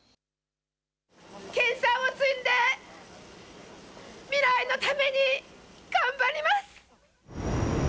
研さんを積んで未来のために頑張ります。